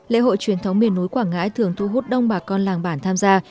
lễ hội truyền thống miền núi quảng ngãi thường thu hút đông bà con làng bản tham gia